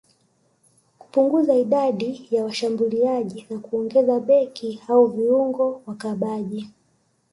kupunguza idadi ya washambuliaji na kuongeza beki au viungo wakabaji